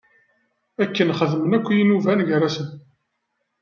Akken xeddmen akk yinuban gar-asen.